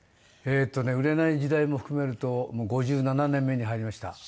えーっとね売れない時代も含めるともう５７年目に入りました。